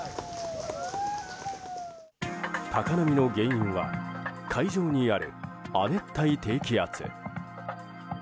高波の原因は海上にある亜熱帯低気圧。